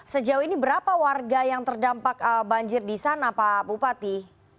sejauh ini berapa warga yang terdampak banjir di sana pak bupati